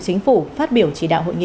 và chính phủ phát biểu chỉ đạo hội nghị